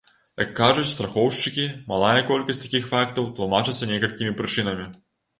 Як кажуць страхоўшчыкі, малая колькасць такіх фактаў тлумачыцца некалькімі прычынамі.